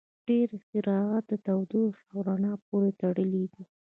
• ډېری اختراعات د تودوخې او رڼا پورې تړلي دي.